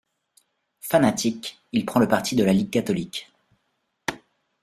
Fanatique, il prend le parti de la Ligue catholique.